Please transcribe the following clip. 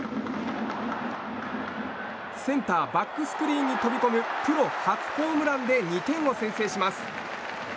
センターバックスクリーンに飛び込むプロ初ホームランで２点を先制します。